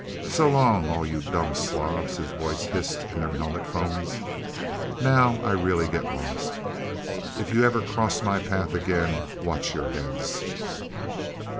"So long, all you dumb slobs!" his voice hissed in their helmet phones. "Now I get really lost! If you ever cross my path again, watch your heads..."